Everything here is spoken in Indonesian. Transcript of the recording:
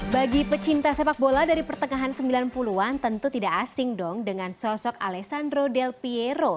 bagi pecinta sepak bola dari pertengahan sembilan puluh an tentu tidak asing dong dengan sosok alexandro del piero